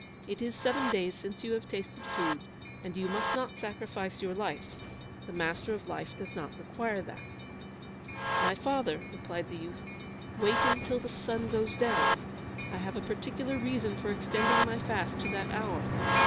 It is seven days since you have tasted food, and you must not sacrifice your life. The Master of Life does not require that." "My father," replied the youth, "wait till the sun goes down. I have a particular reason for extending my fast to that hour."